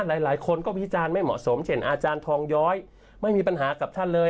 หลายคนก็วิจารณ์ไม่เหมาะสมเช่นอาจารย์ทองย้อยไม่มีปัญหากับท่านเลย